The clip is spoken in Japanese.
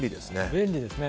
便利ですね。